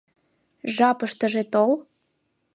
Жапыштыже тол.